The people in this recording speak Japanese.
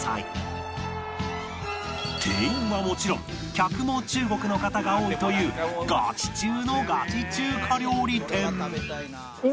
店員はもちろん客も中国の方が多いというガチ中のガチ中華料理店